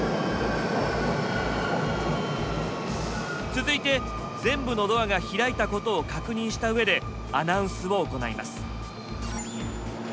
続いて全部のドアが開いたことを確認したうえでアナウンスを行います。